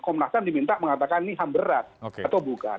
komnas ham diminta mengatakan ini ham berat atau bukan